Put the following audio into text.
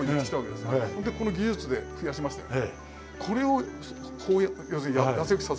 でこの技術で増やしましたよね。